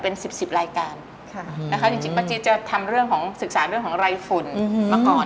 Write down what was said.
เป็น๑๐รายการจริงประจิตจะทำเรื่องของศึกษาเรื่องของไรฝุ่นมาก่อน